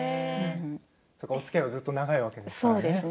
おつきあいはずっと長いわけですね。